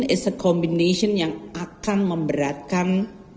as a combination yang akan memberatkan